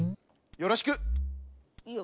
よろしく。